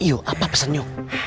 iya apa pesennya